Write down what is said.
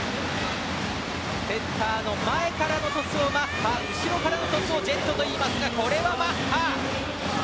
センターの後ろからのトスをジェットといいますがこれはマッハ！